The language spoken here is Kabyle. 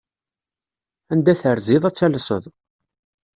Anda terziḍ ad talseḍ.